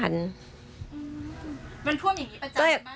มันท่วมอย่างนี้ประจำไหม